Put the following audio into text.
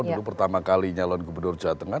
dulu pertama kali nyalon gubernur jawa tengah